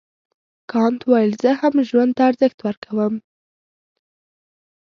کانت وویل زه هم ژوند ته ارزښت ورکوم.